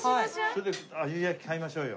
それで鮎やき買いましょうよ。